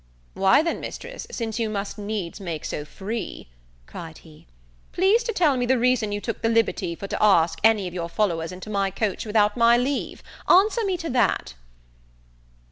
"Why then, Mistress, since you must needs make so free," cried he, "please to tell me the reason you took the liberty for to ask any of your followers into my coach without my leave? Answer me to that."